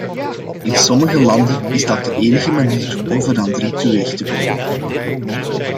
In sommige landen is dat de enige manier om verandering teweeg te brengen.